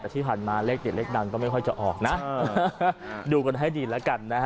ที่หันมาเลขดิบเล็กดังก็ไม่ค่อยจะออกนะดูกันให้ดีแล้วกันนะ